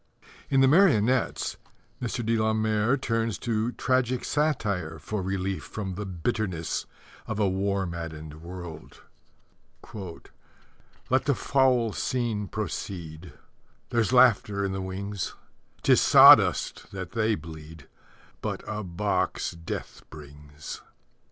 In The Marionettes Mr. de la Mare turns to tragic satire for relief from the bitterness of a war maddened world: Let the foul scene proceed: There's laughter in the wings; 'Tis sawdust that they bleed, But a box Death brings.